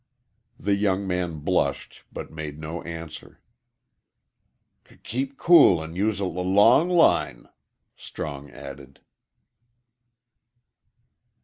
The young man blushed but made no answer. "K keep cool an' use a l long line," Strong added.